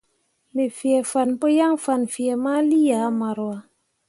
Me fee fan pǝ yaŋ fan fee ma lii ah maroua.